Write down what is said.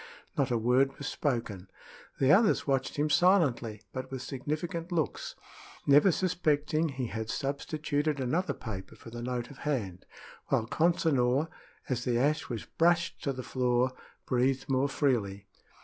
Not a word was spoken. The others watched him silently, but with significant looks, never suspecting he had substituted another paper for the note of hand, while Consinor, as the ash was brushed to the floor, breathed more freely.